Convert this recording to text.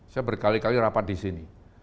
saya berkali kali rapat di sini